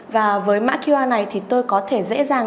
và với mã qr này thì tôi có thể dễ dàng